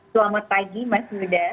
selamat pagi mas yuda